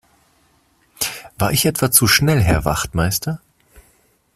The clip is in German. War ich etwa zu schnell Herr Wachtmeister?